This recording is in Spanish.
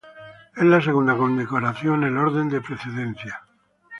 Es la segunda condecoración en el orden de precedencia.